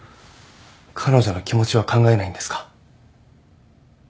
彼女の気持ちは考えないんですか？